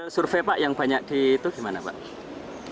survei pak yang banyak di itu gimana pak